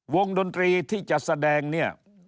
ดนตรีที่จะแสดงเนี่ย